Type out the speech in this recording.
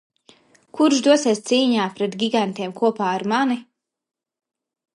Kurš dosies cīņā pret Gigantiem kopā ar mani?